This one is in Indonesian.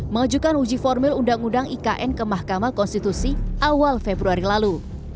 mengajukan uji formil undang undang ikn ke mahkamah konstitusi awal februari lalu